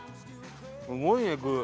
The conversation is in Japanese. すごいね具。